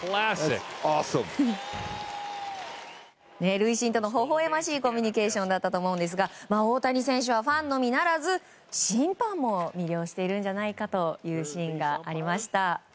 塁審との、ほほ笑ましいコミュニケーションでしたが大谷選手はファンのみならず審判も魅了しているんじゃないかというシーンがありました。